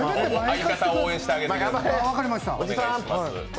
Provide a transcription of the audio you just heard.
相方を応援して上げてください。